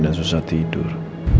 dan susah tidur